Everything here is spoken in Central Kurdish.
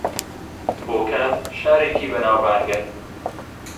بۆکان شارێکی بەناوبانگە